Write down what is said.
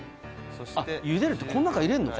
ゆでるってこの中に入れるのか。